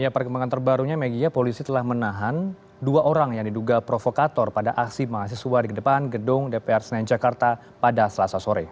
perkembangan terbarunya megia polisi telah menahan dua orang yang diduga provokator pada aksi mahasiswa di depan gedung dpr senayan jakarta pada selasa sore